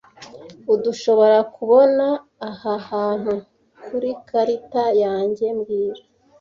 Urdushoborakubona aha hantu kurikarita yanjye mbwira